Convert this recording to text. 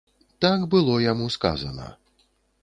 Так было яму сказана.